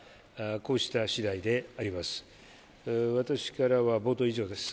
こうした次第であります